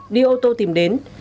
đi ô tô tìm đến